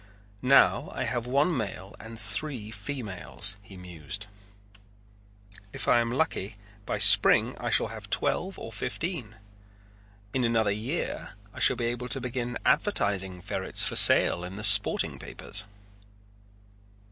"Now I have one male and three females," he mused. "If I am lucky by spring I shall have twelve or fifteen. In another year I shall be able to begin advertising ferrets for sale in the sporting papers."